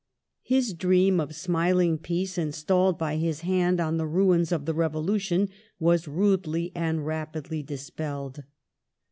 His dream of smiling peace installed by his hand on the ruins of the Revolution was rudely and rapidly dispelled.